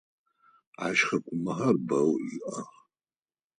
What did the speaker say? Ащ хыкъумэхэр бэу иӏэх.